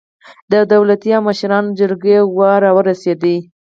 د دولتي او مشرانو جرګې وار راورسېد.